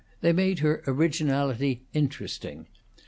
They made her originality interesting.